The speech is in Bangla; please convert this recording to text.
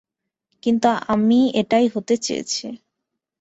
কিন্তু আমি এটাই হতে চেয়েছি।